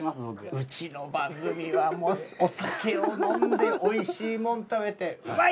うちの番組はもうお酒を飲んでおいしいもん食べてうまい！